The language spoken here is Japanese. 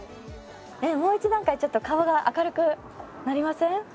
もう一段階ちょっと顔が明るくなりません？